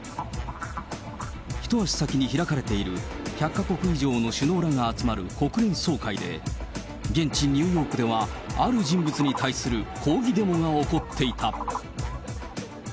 一足先に開かれている、１００か国以上の首脳らが集まる国連総会で、現地ニューヨークでは、ある人物に対する抗議デモが起こっていた。